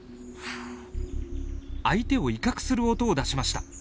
相手を威嚇する音を出しました。